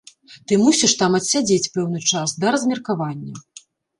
Ты мусіш там адсядзець пэўны час, да размеркавання.